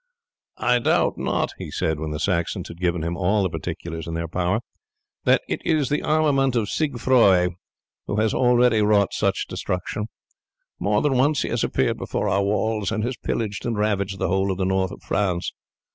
"I doubt not," he said, when the Saxons had given him all the particulars in their power, "that it is the armament of Siegfroi who has already wrought such destruction. More than once he has appeared before our walls, and has pillaged and ravaged the whole of the north of France.